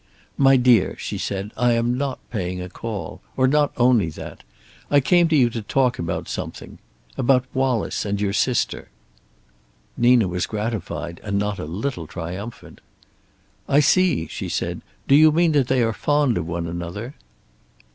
"My dear," she said, "I am not paying a call. Or not only that. I came to talk to you about something. About Wallace and your sister." Nina was gratified and not a little triumphant. "I see," she said. "Do you mean that they are fond of one another?"